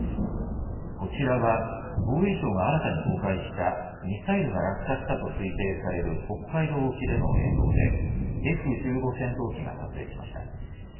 こちらは防衛省が新たに公開したミサイルが落下したと推定される北海道沖での映像でＦ１５戦闘機が撮影しました。